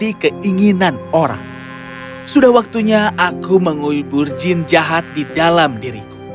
oh ini lucu sekali